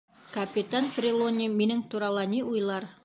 Капитан Трелони минең турала ни уйлар?